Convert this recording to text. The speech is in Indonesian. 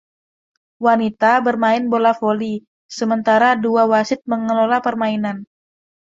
Wanita bermain bola voli sementara dua wasit mengelola permainan.